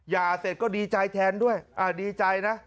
เสร็จก็ดีใจแทนด้วยดีใจนะ